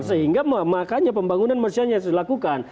sehingga makanya pembangunan manusianya harus dilakukan